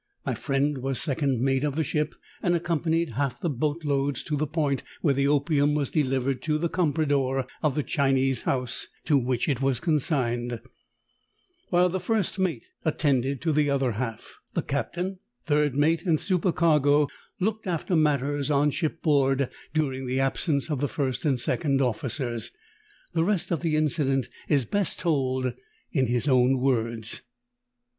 My friend was second mate of the ship, and accompanied half the boat loads to the point where the opium was delivered to the comprador of the Chinese house to which it was consigned, while the first mate attended to the other half The captain, third mate and supercargo looked after matters on shipboard during the absence of the first and second officers. The rest of the incident is best told in his own words.